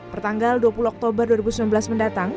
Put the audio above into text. pertanggal dua puluh oktober dua ribu sembilan belas mendatang